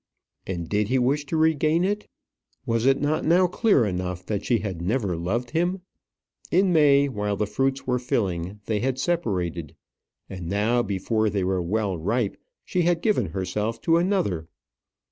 And did he wish to regain it? Was it not now clear enough that she had never loved him? In May, while the fruits were filling, they had separated; and now before they were well ripe she had given herself to another!